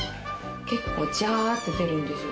結構ジャーって出るんですよ